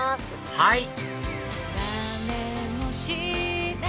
はい！